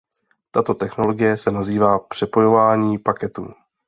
Tato technologie se nazývá přepojování paketů.